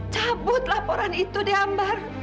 cabut laporan itu diambar